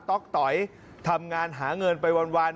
๊อกต๋อยทำงานหาเงินไปวัน